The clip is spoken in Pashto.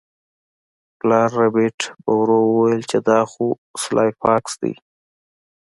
پلار ربیټ په ورو وویل چې دا خو سلای فاکس دی